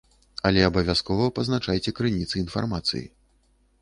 Але абавязкова пазначайце крыніцы інфармацыі.